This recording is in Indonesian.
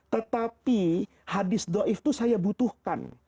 tetapi hadis do'if itu saya butuhkan